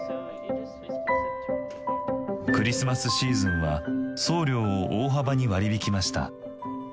クリスマスシーズンは送料を大幅に割り引きました。